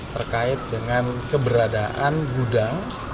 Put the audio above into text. terkait dengan keberadaan gudang